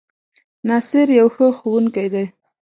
ناصر يو ښۀ ښوونکی دی